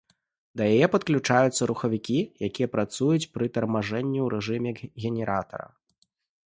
Да яе падключаюцца рухавікі, якія працуюць пры тармажэнні ў рэжыме генератара.